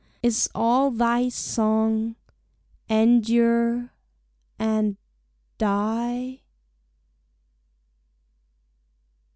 is all thy song "Endure and die?"